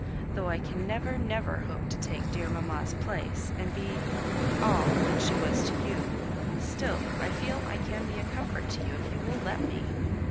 Though I can never, never hope to take dear mamma's place, and be — all — that she was to you, still I feel I can be a comfort to you if you will let me.